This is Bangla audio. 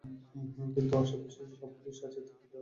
কিন্তু আসে পাশে যেই সব পুলিশ আছে, তাদের দারা এটা হবে না।